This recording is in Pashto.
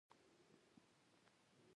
برټانوي هند حکومت ته ستونزې پیدا کولای شي.